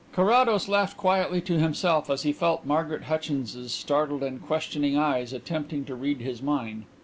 Carrados laughed quietly to himself as he felt Margaret Hutchins's startled and questioning eyes attempting to read his mind.